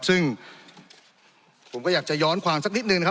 ซึ่งผมก็อยากจะย้อนความสักนิดนึงนะครับ